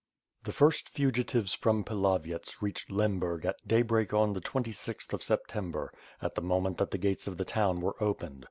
The first fugitives from Pilavyets reached Lemburg at day break on the 26th of September, at the moment that the gates of the town were opened.